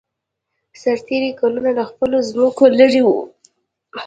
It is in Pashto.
سرتېري کلونه له خپلو ځمکو لېرې وو